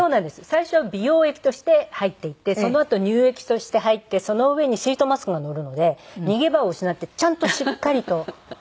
最初は美容液として入っていってそのあと乳液として入ってその上にシートマスクが乗るので逃げ場を失ってちゃんとしっかりと。